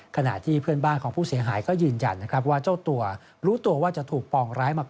ขณะที่เพื่อนบ้านของผู้เสียหายนะครับ